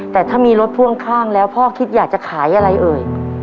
แต่ถ้ามีรถพ่วงข้างแล้วพ่อคิดอยากจะขายอะไรเอ่ย